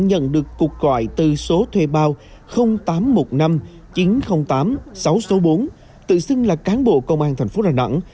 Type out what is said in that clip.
nhận được cuộc gọi từ số thuê bao tám trăm một mươi năm chín trăm linh tám sáu trăm sáu mươi bốn tự xưng là cán bộ công an thành phố đà nẵng